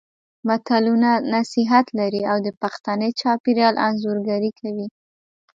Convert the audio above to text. متلونه نصيحت لري او د پښتني چاپېریال انځورګري کوي